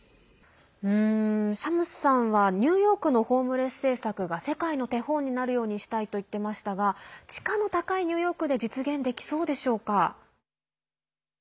シャムスさんはニューヨークのホームレス政策が世界の手本になるようにしたいと言ってましたが地価の高いニューヨークで実現できそうでしょうか？